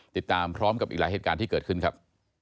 ติดตามพร้อมกับอีกหลายเหตุการณ์ที่เกิดขึ้นครับ